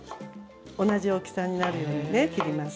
同じ大きさになるようにね切ります。